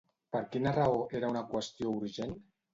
Per quina raó era una qüestió urgent?